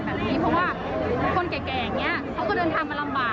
เพราะว่าคนแก่เขาก็เดินทางมันลำบาก